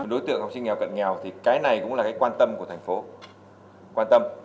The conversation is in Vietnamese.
đối tượng học sinh nghèo cận nghèo thì cái này cũng là quan tâm của thành phố